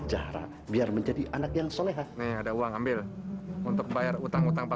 jahra biar menjadi anak yang soleha ada uang ambil untuk bayar utang utang pak